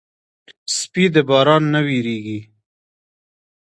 سپي د باران نه وېرېږي.